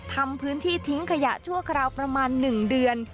ทำพื้นที่ทิ้งขยะชั่วคราวประมาณ๑เดือน